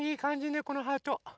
ねこのハート。